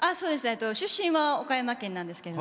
出身は岡山県なんですけど。